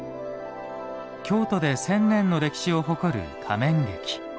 京都で千年の歴史を誇る仮面劇。